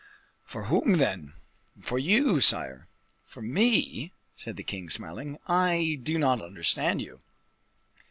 "For whom, then?" "For you, sire." "For me?" said the king, smiling, "I do not understand you."